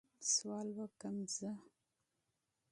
سوال وکړم زه؟